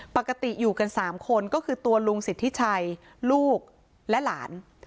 ปกติอยู่กัน๓คนก็คือตัวลุงสิทธิชัยลูกและหลาน